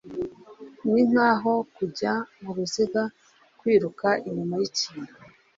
ninkaho kujya muruziga, kwiruka inyuma yikintu